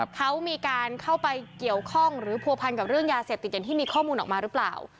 เขามีการเข้าไปเกี่ยวข้องหรือผัวพันกับเรื่องยาเสพติดอย่างที่มีข้อมูลออกมาหรือเปล่า